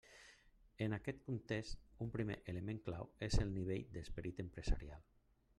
En aquest context, un primer element clau és el nivell d'esperit empresarial.